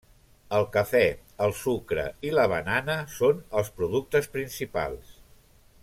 El cafè, el sucre i la banana són els productes principals.